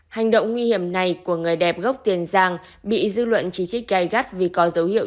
hành động nguy hiểm này của người đẹp gốc tiền giang bị dư luận chỉ trích gai gắt vì có dấu hiệu